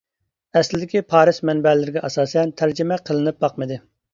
ئەسلىدىكى پارس مەنبەلىرىگە ئاساسەن تەرجىمە قىلىنىپ باقمىدى.